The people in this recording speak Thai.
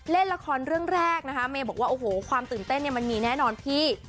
เล่นละครเรื่องแรกนะคะเมย์บอกว่าโอ้โหความตื่นเต้นเนี่ยมันมีแน่นอนพี่